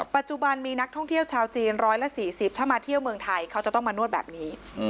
ปัจจุบันมีนักท่องเที่ยวชาวจีน๑๔๐ถ้ามาเที่ยวเมืองไทยเขาจะต้องมานวดแบบนี้